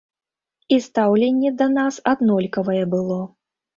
І стаўленне да нас аднолькавае было.